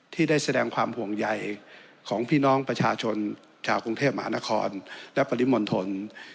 ที่ได้แสดงความห่วงใยของพี่น้องประชาชนชาวกรุงเทพมหานครและปริมณฑล